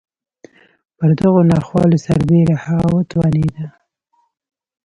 پر دغو ناخوالو سربېره هغه وتوانېده.